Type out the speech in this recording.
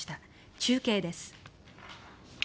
中継です。